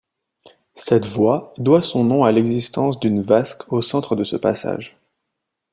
Cette voie doit son nom à l'existence d'une vasque au centre de ce passage.